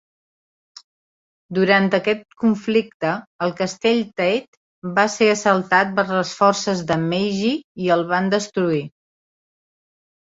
Durant aquest conflicte, el castell Tate va ser assaltat per les forces de Meiji i el van destruir.